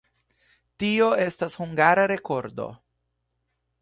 Tio estas hungara rekordo.